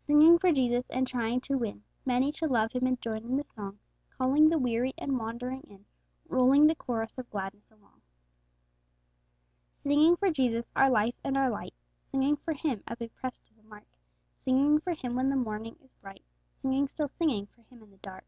Singing for Jesus, and trying to win Many to love Him, and join in the song; Calling the weary and wandering in, Rolling the chorus of gladness along. Singing for Jesus, our Life and our Light; Singing for Him as we press to the mark; Singing for Him when the morning is bright; Singing, still singing, for Him in the dark!